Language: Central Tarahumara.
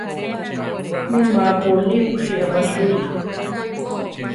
Mí, ma-pu olíbusi aʼpasúliru.